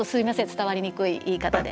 伝わりにくい言い方で。